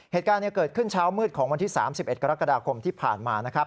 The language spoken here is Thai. เหตุการณ์เกิดขึ้นเช้ามืดของวันที่๓๑กรกฎาคมที่ผ่านมานะครับ